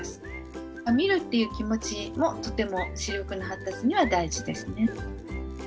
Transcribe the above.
「見る」っていう気持ちもとても視力の発達には大事ですね。